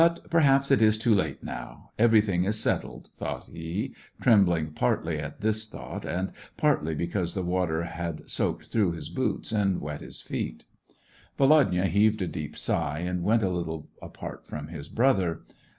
17 j perhaps it is too late now, everything is settled," thought he, trembling partly at this thought and partly because the water had soaked through his boots and wet his feet. Volodya heaved a deep sigh, and went a little apart from his brother.